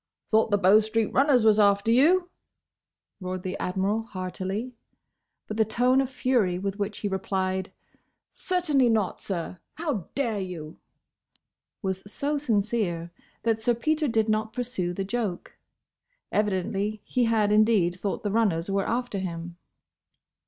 "Thought the Bow street runners was after you?" roared the Admiral heartily. But the tone of fury with which he replied "Certainly not, sir! How dare you?" was so sincere that Sir Peter did not pursue the joke. Evidently he had indeed thought the runners were after him.